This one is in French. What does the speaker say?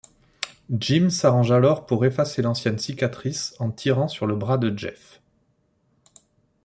Jim s'arrange alors pour effacer l'ancienne cicatrice en tirant sur le bras de Jeff.